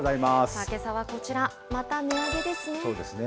さあ、けさはこちら、また値上げですね。